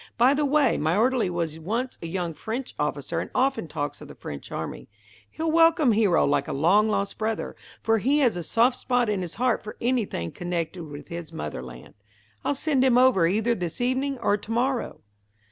By the way, my orderly was once a young French officer, and often talks of the French army. He'll welcome Hero like a long lost brother, for he has a soft spot in his heart for anything connected with his motherland. Ill send him over either this evening or to morrow."